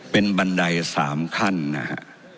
เป็นบันได๓ขั้นนะฮะ